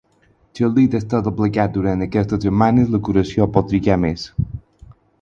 Si el dit està doblegat durant aquestes setmanes, la curació pot trigar més.